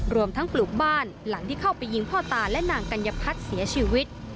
รวมทั้งปลูกบ้านหลังที่เข้าไปยิงพ่อตาและนางกัญญพัฒน์เสียชีวิต